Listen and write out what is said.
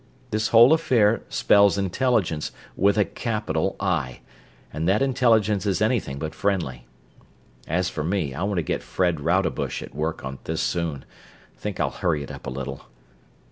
This whole affair spells intelligence, with a capital "I", and that intelligence is anything but friendly. As for me I want to get Fred Rodebush at work on this soon think I'll hurry it up a little."